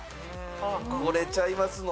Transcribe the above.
これちゃいますの？